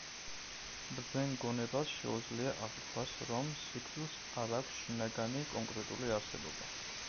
ბრძენ გონებას შეუძლია აღიქვას, რომ სიკვდილს არ აქვს შინაგანი, კონკრეტული არსებობა.